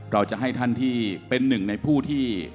เราจะให้ท่านที่เป็นหนึ่งในผู้ที่